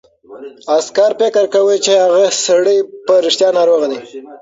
عسکر فکر کاوه چې هغه سړی په رښتیا ناروغ دی.